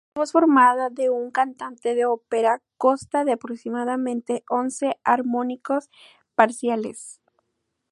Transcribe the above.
La voz formada de un cantante de ópera consta de aproximadamente once armónicos parciales.